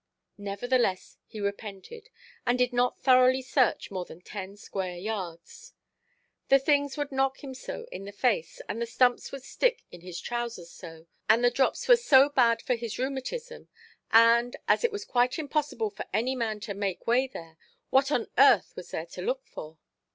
Nevertheless he repented, and did not thoroughly search more than ten square yards. The things would knock him so in the face, and the stumps would stick in his trousers so, and the drops were so bad for his rheumatism; and, as it was quite impossible for any man to make way there, what on earth was there to look for?